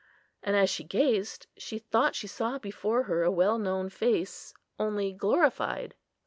And as she gazed, she thought she saw before her a well known face, only glorified.